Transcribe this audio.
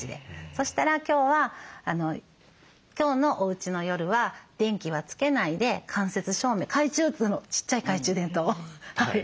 そしたら今日は今日のおうちの夜は電気はつけないで間接照明ちっちゃい懐中電灯